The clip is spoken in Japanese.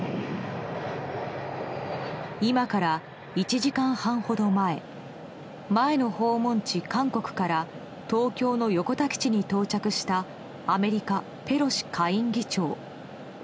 今から１時間半ほど前前の訪問地、韓国から東京の横田基地に到着したアメリカ、ペロシ下院議長。